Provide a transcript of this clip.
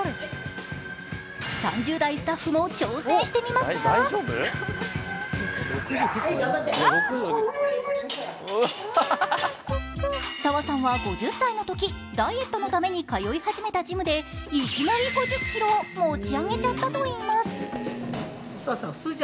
３０代スタッフも挑戦してみますが澤さんは５０歳のとき、ダイエットのために通い始めたジムでいきなり５０ｋｇを持ち上げちゃったといいます。